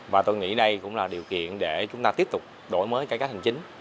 và tôi nghĩ đây cũng là điều kiện để chúng ta tiếp tục đổi mới cải cách hành chính